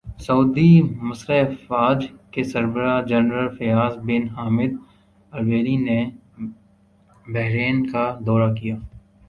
سعودی مسلح افواج کے سربراہ general Fayyad bin Hamid Al Ruwaili نے بحرین کا دورہ کیا